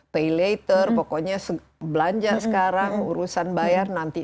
pay later pokoknya belanja sekarang urusan bayar nanti